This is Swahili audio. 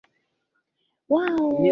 da alama ya kujumlisha mbili tano tano